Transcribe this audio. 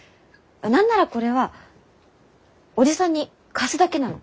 何ならこれはおじさんに貸すだけなの。